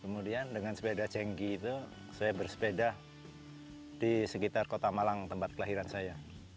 kemudian dengan sepeda cenggi itu saya bersepeda di sekitar kota malang tempat kelahiran saya